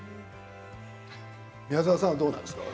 宮沢さんはどうなんですか。